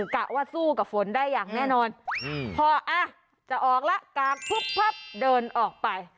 กะว่าสู้กับฝนได้อย่างแน่นอนพอจะออกแล้วกากพึบพับเดินออกไป